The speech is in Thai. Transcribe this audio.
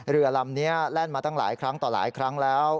เรือลำนี้แล่นมาตั้งหลายครั้งต่อหลายครั้งแล้ว